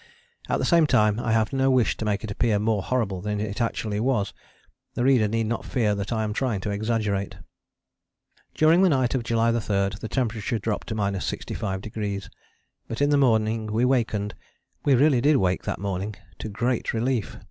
At the same time I have no wish to make it appear more horrible than it actually was: the reader need not fear that I am trying to exaggerate. During the night of July 3 the temperature dropped to 65°, but in the morning we wakened (we really did wake that morning) to great relief.